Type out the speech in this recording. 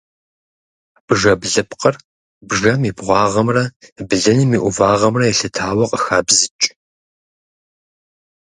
Бжэблыпкъыр бжэм и бгъуагъымрэ блыным и ӏувагъымрэ елъытауэ къыхабзыкӏ.